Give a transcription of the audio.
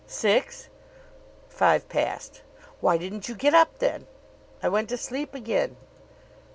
"Six!" "Five past." "Why didn't you get up then?" "I went to sleep again."